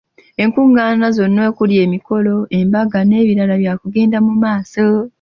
Enkungaana zonna okuli emikolo, embaga n’ebirala byakugenda mu maaso.